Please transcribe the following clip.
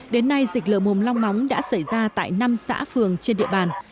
đến nay dịch lờ mồm long móng đã xảy ra tại năm xã phường trên địa bàn